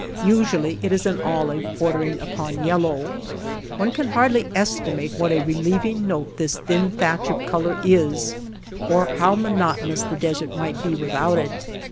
Usually it is an olive, bordering upon yellow. One can hardly estimate what a relieving note this thin thatch of color is, or how monotonous the desert might be without it.